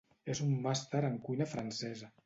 És un màster en cuina francesa.